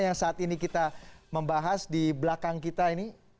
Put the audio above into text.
yang saat ini kita membahas di belakang kita ini